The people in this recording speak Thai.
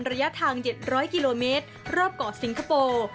ระยะทาง๗๐๐กิโลเมตรรอบเกาะสิงคโปร์